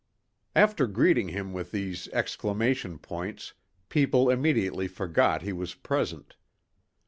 After greeting him with these exclamation points, people immediately forgot he was present.